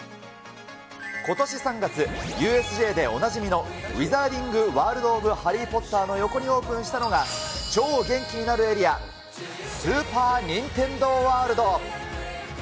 ことし３月、ＵＳＪでおなじみの、ウィザーディング・ワールド・オブ・ハリー・ポッターの横にオープンしたのが、超元気になるエリア、スーパー・ニンテンドー・ワールド。